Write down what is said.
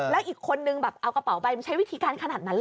แล้วอีกคนนึงแบบเอากระเป๋าไปมันใช้วิธีการขนาดนั้นเลย